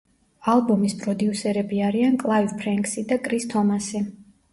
ალბომის პროდიუსერები არიან კლაივ ფრენკსი და კრის თომასი.